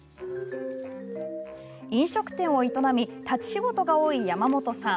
飲食店を営み立ち仕事が多い山本さん。